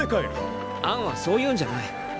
アンはそういうんじゃない。